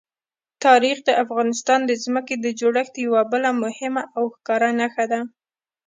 تاریخ د افغانستان د ځمکې د جوړښت یوه بله مهمه او ښکاره نښه ده.